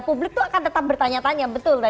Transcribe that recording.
publik itu akan tetap bertanya tanya betul